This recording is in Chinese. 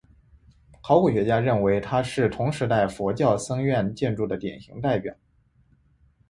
考古学家认为它是同时代佛教僧院建筑的典型代表。